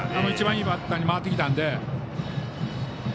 一番いいバッターに回ってきたので。